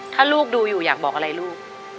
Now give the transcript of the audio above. ถ้าลูกดูอยู่อยากบอกอะไรลูก